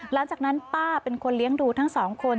หลังจากนั้นป้าเป็นคนเลี้ยงดูทั้งสองคน